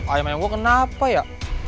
ayah main gue kenapa ya